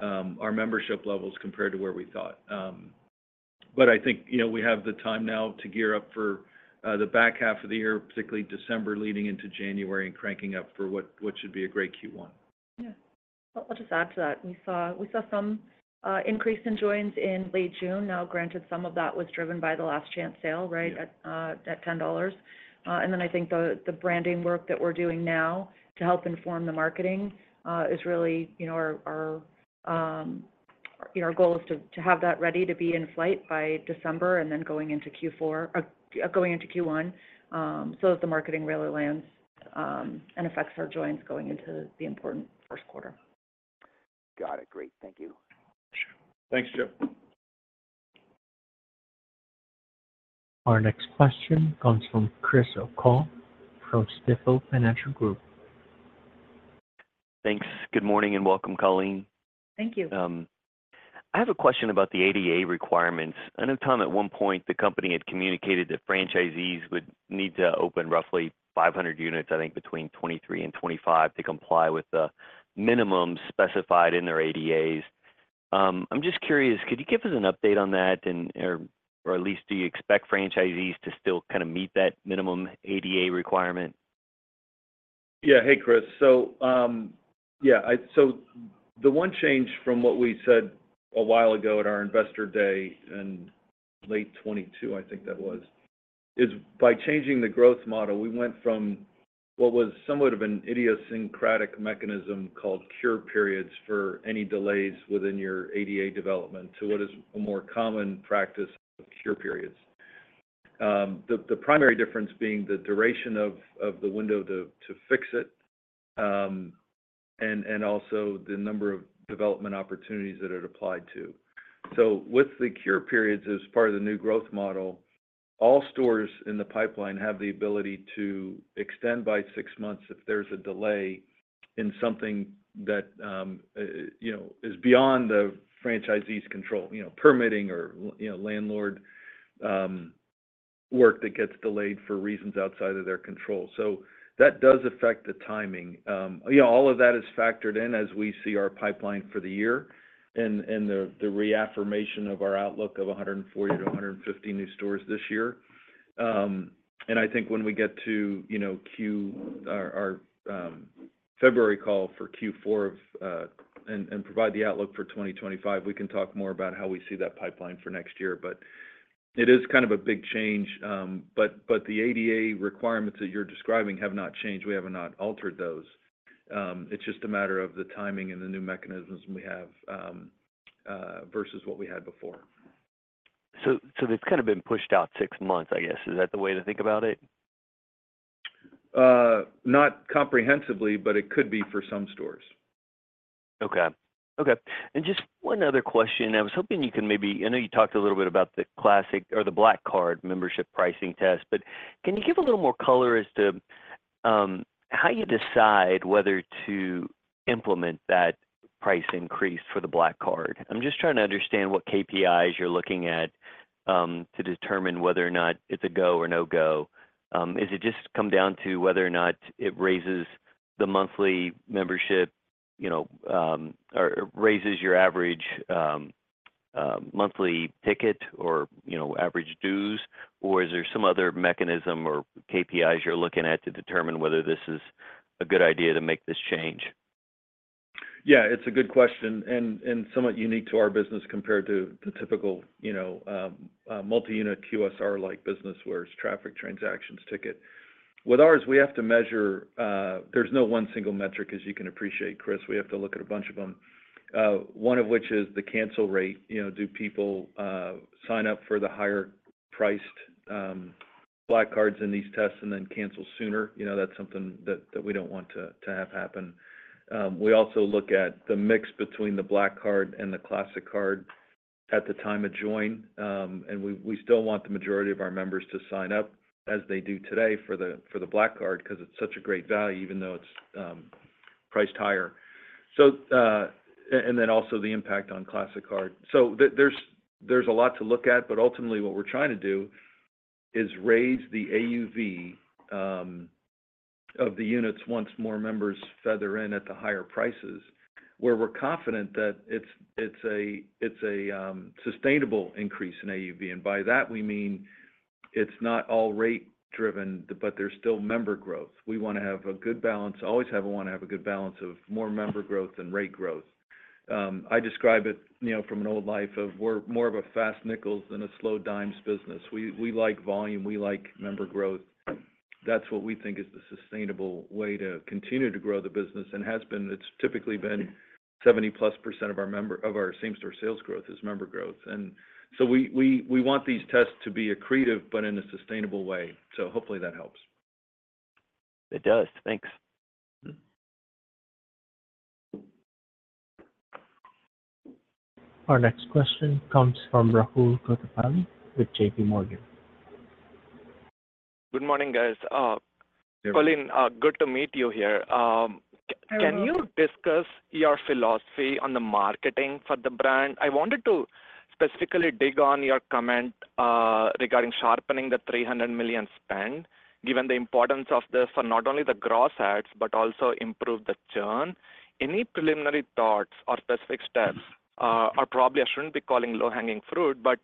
our membership levels compared to where we thought. I think, you know, we have the time now to gear up for the back half of the year, particularly December leading into January, and cranking up for what should be a great Q1. Yeah. I'll just add to that. We saw some increase in joins in late June. Now, granted, some of that was driven by the last chance sale, right? Yeah. At $10. And then I think the branding work that we're doing now to help inform the marketing is really, you know, our goal is to have that ready to be in flight by December and then going into Q4, going into Q1, so that the marketing really lands and affects our joins going into the important first quarter. Got it. Great. Thank you. Sure. Thanks, Joe. Our next question comes from Chris O'Cull from Stifel Financial Group. Thanks. Good morning, and welcome, Colleen. Thank you. I have a question about the ADA requirements. I know Tom, at one point, the company had communicated that franchisees would need to open roughly 500 units, I think, between 2023 and 2025 to comply with the minimum specified in their ADAs. I'm just curious, could you give us an update on that, and or, or at least, do you expect franchisees to still kind of meet that minimum ADA requirement? Yeah. Hey, Chris. So, yeah, so the one change from what we said a while ago at our Investor Day in late 2022, I think that was, is by changing the growth model, we went from what was somewhat of an idiosyncratic mechanism called cure periods for any delays within your ADA development to what is a more common practice of cure periods. The primary difference being the duration of the window to fix it, and also the number of development opportunities that it applied to. So with the cure periods, as part of the new growth model, all stores in the pipeline have the ability to extend by six months if there's a delay in something that, you know, is beyond the franchisee's control, you know, permitting or, you know, landlord, work that gets delayed for reasons outside of their control. So that does affect the timing. Yeah, all of that is factored in as we see our pipeline for the year and the reaffirmation of our outlook of 140 to 150 new stores this year. And I think when we get to, you know, Q. Our February call for Q4 and provide the outlook for 2025, we can talk more about how we see that pipeline for next year, but it is kind of a big change. But the ADA requirements that you're describing have not changed. We have not altered those. It's just a matter of the timing and the new mechanisms we have versus what we had before. So, it's kind of been pushed out six months, I guess. Is that the way to think about it? Not comprehensively, but it could be for some stores. Okay. Okay, and just one other question. I was hoping you can maybe—I know you talked a little bit about the Classic or the Black Card membership pricing test, but can you give a little more color as to how you decide whether to implement that price increase for the Black Card? I'm just trying to understand what KPIs you're looking at to determine whether or not it's a go or no go. Is it just come down to whether or not it raises the monthly membership, you know, or raises your average monthly ticket or, you know, average dues? Or is there some other mechanism or KPIs you're looking at to determine whether this is a good idea to make this change? Yeah, it's a good question, and somewhat unique to our business compared to the typical, you know, multi-unit QSR-like business where it's traffic transactions ticket. With ours, we have to measure... There's no one single metric, as you can appreciate, Chris. We have to look at a bunch of them, one of which is the cancel rate. You know, do people sign up for the higher-priced Black Cards in these tests and then cancel sooner? You know, that's something that we don't want to have happen. We also look at the mix between the Black Card and the Classic Card at the time of join, and we still want the majority of our members to sign up as they do today for the Black Card 'cause it's such a great value, even though it's priced higher. So, and then also the impact on Classic Card. So there's a lot to look at, but ultimately, what we're trying to do is raise the AUV of the units once more members feather in at the higher prices, where we're confident that it's a sustainable increase in AUV. And by that we mean it's not all rate driven, but there's still member growth. We wanna have a good balance, always have a want to have a good balance of more member growth than rate growth. I describe it, you know, from an old life of we're more of a fast nickels than a slow dimes business. We like volume, we like member growth. That's what we think is the sustainable way to continue to grow the business, and has been. It's typically been 70%+ of our member—of our same-store sales growth is member growth. And so we want these tests to be accretive, but in a sustainable way. So hopefully that helps. It does. Thanks. Our next question comes from Rahul Katariya with JPMorgan. Good morning, guys. Good morning. Colleen, good to meet you here. Hello. Can you discuss your philosophy on the marketing for the brand? I wanted to specifically dig on your comment regarding sharpening the $300 million spend, given the importance of this for not only the gross ads, but also improve the churn. Any preliminary thoughts or specific steps, or probably I shouldn't be calling low-hanging fruit, but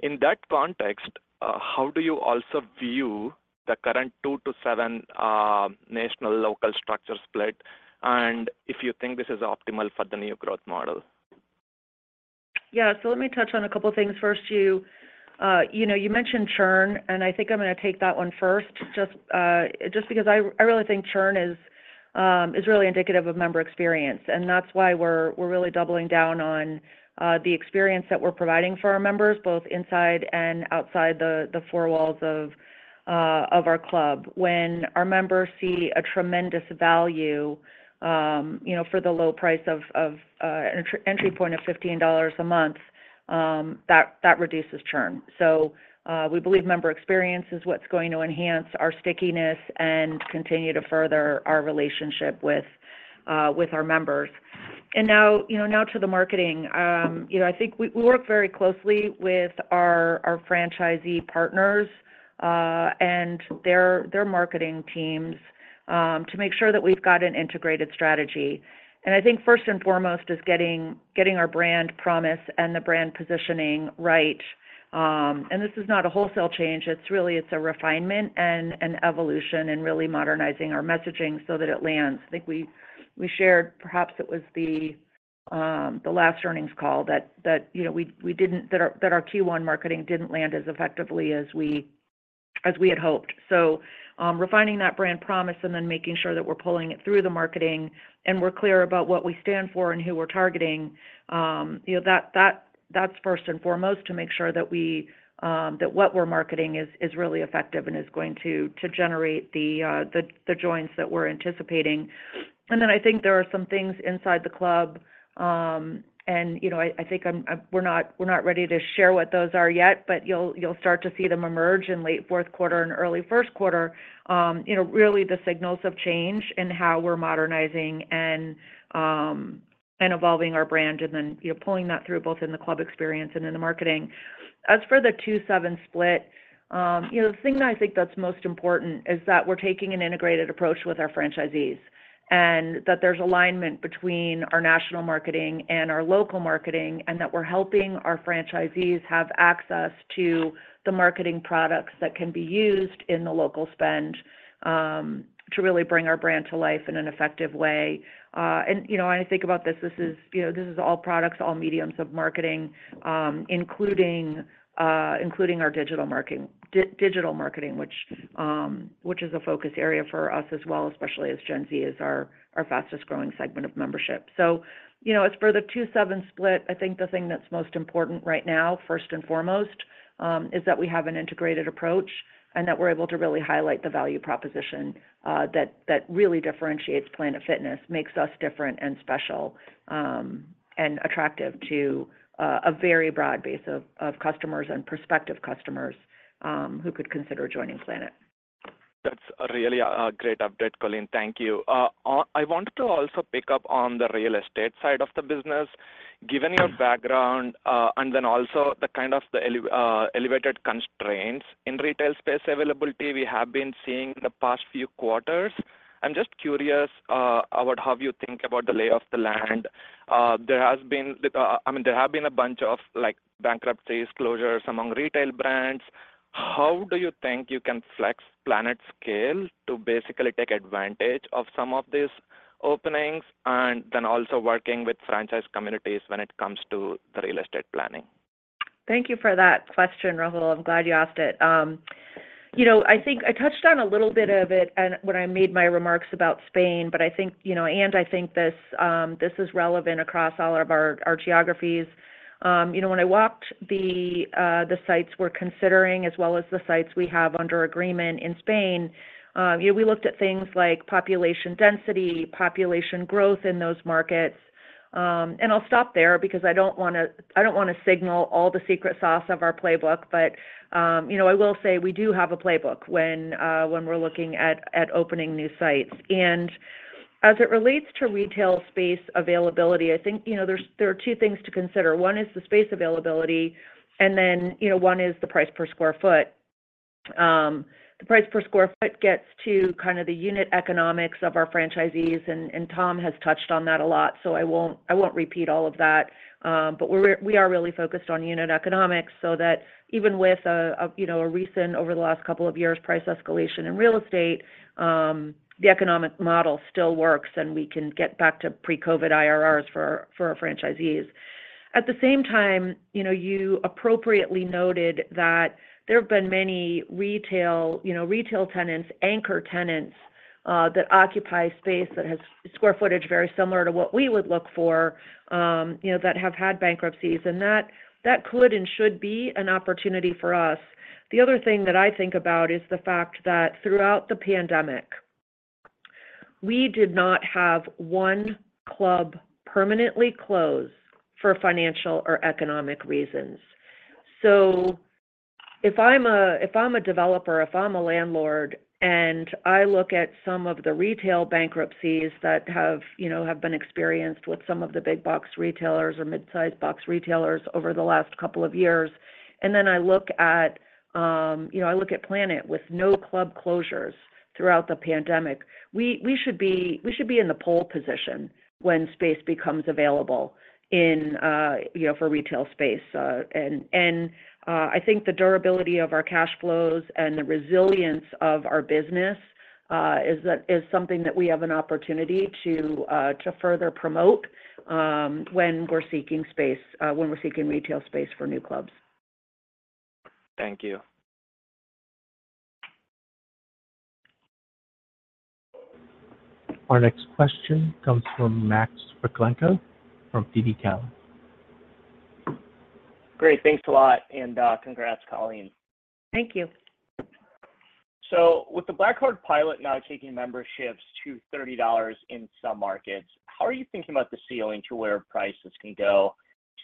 in that context, how do you also view the current 2-7 national local structure split? And if you think this is optimal for the new growth model. Yeah. So let me touch on a couple of things. First, you, you know, you mentioned churn, and I think I'm gonna take that one first, just, just because I really think churn is really indicative of member experience, and that's why we're really doubling down on the experience that we're providing for our members, both inside and outside the four walls of our club. When our members see a tremendous value, you know, for the low price of entry point of $15 a month, that reduces churn. So, we believe member experience is what's going to enhance our stickiness and continue to further our relationship with our members. And now, you know, now to the marketing. You know, I think we work very closely with our franchisee partners and their marketing teams to make sure that we've got an integrated strategy. I think first and foremost is getting our brand promise and the brand positioning right. And this is not a wholesale change, it's really a refinement and an evolution and really modernizing our messaging so that it lands. I think we shared, perhaps it was the last earnings call that, you know, we didn't, that our Q1 marketing didn't land as effectively as we had hoped. So, refining that brand promise and then making sure that we're pulling it through the marketing, and we're clear about what we stand for and who we're targeting, you know, that's first and foremost, to make sure that what we're marketing is really effective and is going to generate the joins that we're anticipating. And then I think there are some things inside the club, and you know, we're not ready to share what those are yet, but you'll start to see them emerge in late fourth quarter and early first quarter. You know, really the signals of change and how we're modernizing and evolving our brand and then, you know, pulling that through both in the club experience and in the marketing. As for the 2-7 split, you know, the thing that I think that's most important is that we're taking an integrated approach with our franchisees, and that there's alignment between our national marketing and our local marketing, and that we're helping our franchisees have access to the marketing products that can be used in the local spend, to really bring our brand to life in an effective way. And, you know, when I think about this, this is, you know, this is all products, all mediums of marketing, including our digital marketing, which is a focus area for us as well, especially as Gen Z is our fastest growing segment of membership. So, you know, as for the 2-7 split, I think the thing that's most important right now, first and foremost, is that we have an integrated approach and that we're able to really highlight the value proposition that really differentiates Planet Fitness, makes us different and special, and attractive to a very broad base of customers and prospective customers who could consider joining Planet. That's a really, great update, Colleen. Thank you. I wanted to also pick up on the real estate side of the business. Given your background, and then also the kind of the elevated constraints in retail space availability we have been seeing in the past few quarters, I'm just curious, about how you think about the lay of the land. There has been, I mean, there have been a bunch of, like, bankruptcies, closures among retail brands. How do you think you can flex Planet's scale to basically take advantage of some of these openings, and then also working with franchise communities when it comes to the real estate planning? Thank you for that question, Rahul. I'm glad you asked it. You know, I think I touched on a little bit of it and when I made my remarks about Spain, but I think, you know, and I think this is relevant across all of our geographies. You know, when I walked the sites we're considering as well as the sites we have under agreement in Spain, you know, we looked at things like population density, population growth in those markets. And I'll stop there because I don't wanna signal all the secret sauce of our playbook. But, you know, I will say we do have a playbook when we're looking at opening new sites. And as it relates to retail space availability, I think, you know, there are two things to consider. One is the space availability, and then, you know, one is the price per sq ft. The price per sq ft gets to kind of the unit economics of our franchisees, and Tom has touched on that a lot, so I won't repeat all of that. But we are really focused on unit economics, so that even with a, you know, a recent, over the last couple of years, price escalation in real estate, the economic model still works, and we can get back to pre-COVID IRRs for our franchisees. At the same time, you know, you appropriately noted that there have been many retail, you know, retail tenants, anchor tenants, that occupy space that has square footage very similar to what we would look for, you know, that have had bankruptcies, and that, that could and should be an opportunity for us. The other thing that I think about is the fact that throughout the pandemic, we did not have one club permanently closed for financial or economic reasons. So if I'm a developer, if I'm a landlord, and I look at some of the retail bankruptcies that have, you know, have been experienced with some of the big box retailers or mid-size box retailers over the last couple of years, and then I look at, you know, I look at Planet with no club closures throughout the pandemic, we should be in the pole position when space becomes available in, you know, for retail space. And I think the durability of our cash flows and the resilience of our business is something that we have an opportunity to further promote when we're seeking space, when we're seeking retail space for new clubs. Thank you. Our next question comes from Max Rakhlenko from TD Cowen. Great. Thanks a lot, and congrats, Colleen. Thank you. So with the Black Card pilot now taking memberships to $30 in some markets, how are you thinking about the ceiling to where prices can go?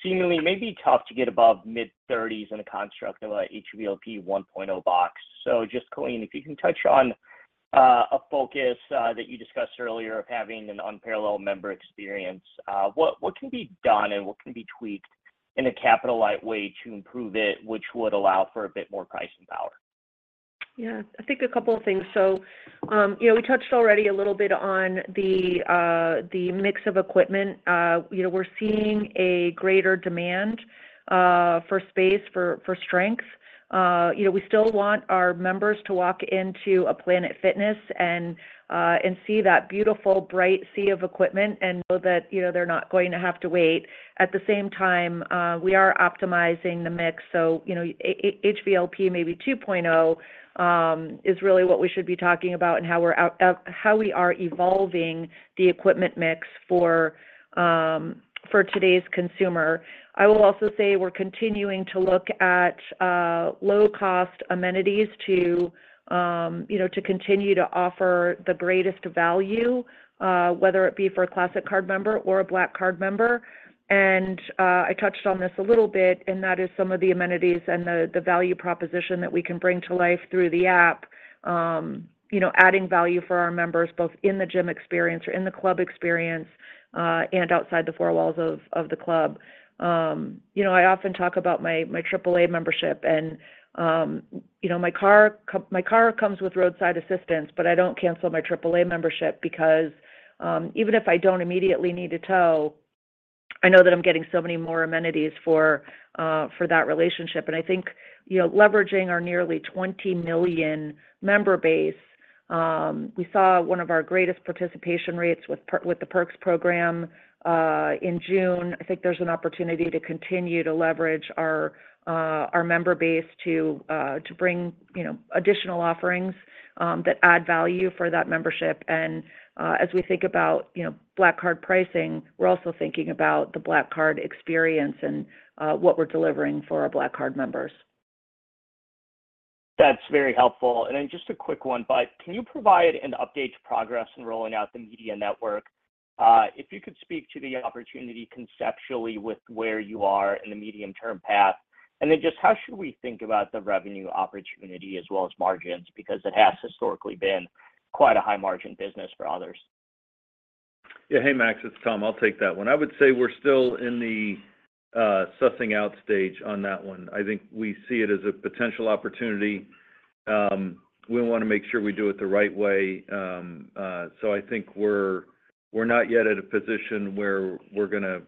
Seemingly, it may be tough to get above mid-30s in the construct of a HVLP 1.0 box. So just, Colleen, if you can touch on a focus that you discussed earlier of having an unparalleled member experience, what can be done and what can be tweaked in a capital light way to improve it, which would allow for a bit more pricing power? Yeah, I think a couple of things. So, you know, we touched already a little bit on the mix of equipment. You know, we're seeing a greater demand for space, for strength. You know, we still want our members to walk into a Planet Fitness and see that beautiful, bright sea of equipment and know that, you know, they're not going to have to wait. At the same time, we are optimizing the mix. So, you know, HVLP, maybe 2.0, is really what we should be talking about and how we are evolving the equipment mix for today's consumer. I will also say we're continuing to look at low-cost amenities to, you know, to continue to offer the greatest value, whether it be for a Classic Card member or a Black Card member. And I touched on this a little bit, and that is some of the amenities and the value proposition that we can bring to life through the app. You know, adding value for our members, both in the gym experience or in the club experience, and outside the four walls of the club. You know, I often talk about my AAA membership and, you know, my car comes with roadside assistance, but I don't cancel my AAA membership because, even if I don't immediately need a tow, I know that I'm getting so many more amenities for that relationship. And I think, you know, leveraging our nearly 20 million member base, we saw one of our greatest participation rates with the Perks program in June. I think there's an opportunity to continue to leverage our member base to bring, you know, additional offerings that add value for that membership. And, as we think about, you know, Black Card pricing, we're also thinking about the Black Card experience and what we're delivering for our Black Card members. That's very helpful. And then just a quick one, but can you provide an update to progress in rolling out the media network? If you could speak to the opportunity conceptually with where you are in the medium-term path, and then just how should we think about the revenue opportunity as well as margins? Because it has historically been quite a high-margin business for others. Yeah. Hey, Max, it's Tom. I'll take that one. I would say we're still in the sussing out stage on that one. I think we see it as a potential opportunity. We wanna make sure we do it the right way. So I think we're not yet at a position where we're gonna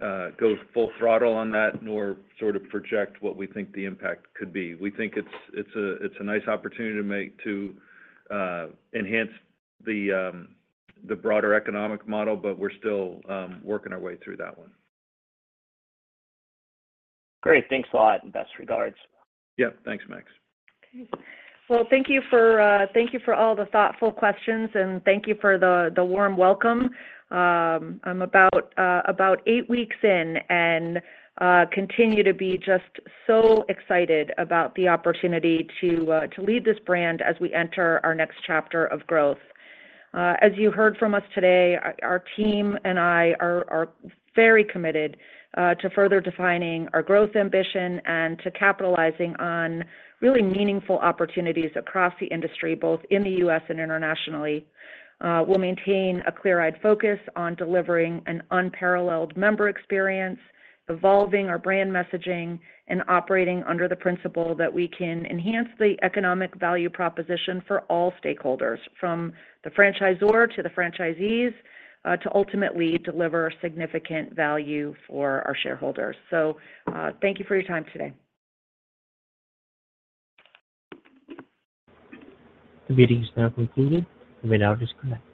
go full throttle on that, nor sort of project what we think the impact could be. We think it's a nice opportunity to enhance the broader economic model, but we're still working our way through that one. Great. Thanks a lot, and best regards. Yeah. Thanks, Max. Well, thank you for, Thank you for all the thoughtful questions, and thank you for the, the warm welcome. I'm about, about eight weeks in, and continue to be just so excited about the opportunity to, to lead this brand as we enter our next chapter of growth. As you heard from us today, our, our team and I are, are very committed, to further defining our growth ambition and to capitalizing on really meaningful opportunities across the industry, both in the U.S. and internationally. We'll maintain a clear-eyed focus on delivering an unparalleled member experience, evolving our brand messaging, and operating under the principle that we can enhance the economic value proposition for all stakeholders, from the franchisor to the franchisees, to ultimately deliver significant value for our shareholders. So, thank you for your time today. The meeting is now concluded. You may now disconnect.